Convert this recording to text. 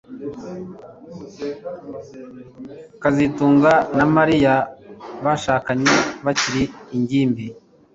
kazitunga na Mariya bashakanye bakiri ingimbi